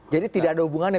jadi tidak ada hubungannya